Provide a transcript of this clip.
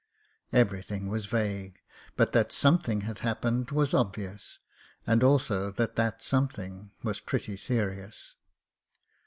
Ever)rthing was vague, but that some thing had happened was obvious, and also that that something was pretty serious.